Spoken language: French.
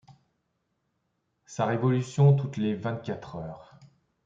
Sa révolution toutes les vingt-quatre heures